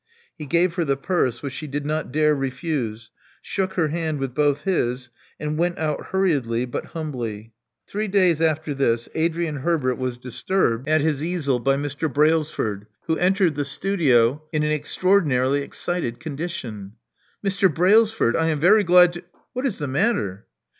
He gave her the purse, which she did not dare refuse ; shook her hand with both his; and went out hurriedly, but humbly. Three days after this, Adrian Herbert was disturbed 136 Love Among the Artists at his easel by Mr. Brailsford, who entered the studio in an extraordinarily excited condition. Mr. Brailsford! I am very glad to What is the matter?"